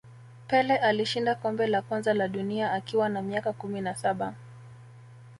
pele alishinda kombe la kwanza la dunia akiwa na miaka kumi na saba